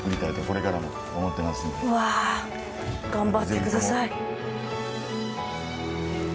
うわ頑張ってください！